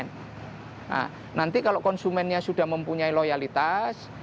nah nanti kalau konsumennya sudah mempunyai loyalitas